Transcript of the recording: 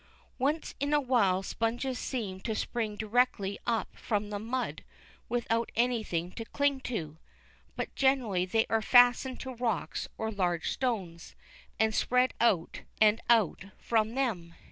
Once in awhile sponges seem to spring directly up from the mud without anything to cling to, but generally they are fastened to rocks or large stones, and spread out and out from them.